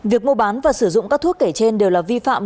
việc mua bán và sử dụng các thuốc kể trên đều là vi phạm